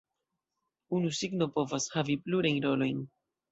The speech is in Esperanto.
Unu signo povas havi plurajn rolojn.